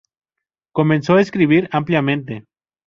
Comenzó a escribir ampliamente.